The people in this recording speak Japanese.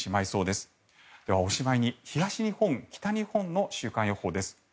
では、おしまいに東日本、北日本の週間予報です。